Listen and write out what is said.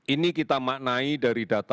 ini kita maknai dari data